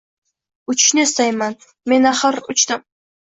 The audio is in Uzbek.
«Uchishni istayman… men, axir, uchdim…»